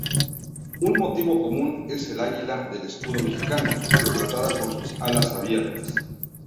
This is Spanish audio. Un motivo común es el águila del escudo mexicano, retratada con sus alas abiertas.